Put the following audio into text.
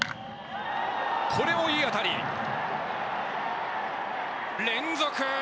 これもいい当たり！連続。